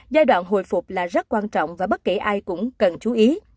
giai đoạn hồi phục là rất quan trọng và bất kể ai cũng cần chú ý